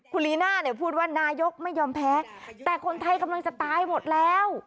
คุณลีน่าเนี่ยพูดว่านายกไม่ยอมแพ้แต่คนไทยกำลังจะตายหมดแล้ว